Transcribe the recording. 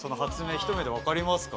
ひと目でわかりますか？